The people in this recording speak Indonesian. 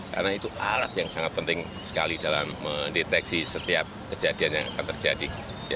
karena itu alat yang sangat penting sekali dalam mendeteksi setiap kejadian yang akan terjadi